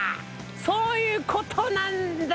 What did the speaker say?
そういうことなんだ！